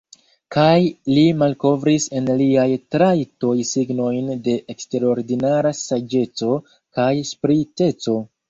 Kaj li malkovris en liaj trajtoj signojn de eksterordinara saĝeco kaj spriteco.